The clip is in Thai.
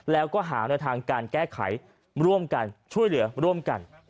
แล้วก็หาแนวทางการแก้ไขร่วมกันช่วยเหลือร่วมกัน